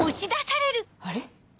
あれ？